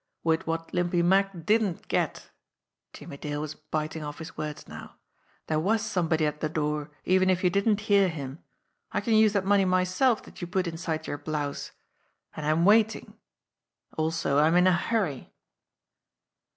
"With what Limpy Mack didn't get." Jimmie Dale was biting off his words now. "There was somebody at the door, even if you didn't hear him. I can use that money myself that you put inside your blouse. And I'm waiting also I'm in a hurry